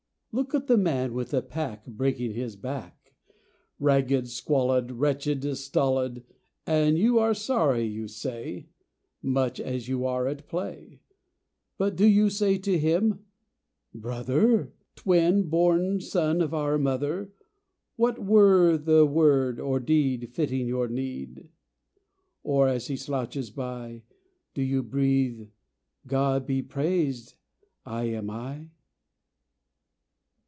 Look at the man with the pack Breaking his back. Ragged, squalid, Wretched, stolid. And you are sorry, you say, (Much as you are at a play.) But do you say to him, "Brother, Twin born son of our mother What were the word, or the deed Fitting your need?" Or, as he slouches by, Do you breathe "God be praised, I am I?"